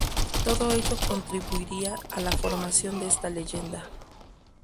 Todo ello contribuiría a la formación de esta leyenda.